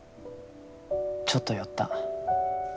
ちょっと酔った。